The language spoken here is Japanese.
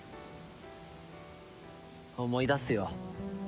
思い出すよ。